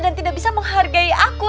dan tidak bisa menghargai aku